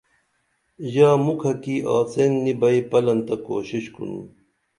ژا مُکھہ کی آڅین نی بئی پلن تہ کوشش کُنُن